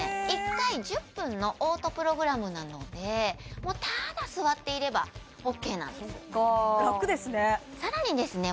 １回１０分のオートプログラムなのでもうただ座っていればＯＫなんです楽ですねさらにですね